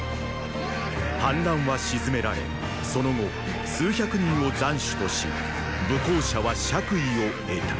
反乱は鎮められその後数百人を斬首とし武功者は爵位を得た。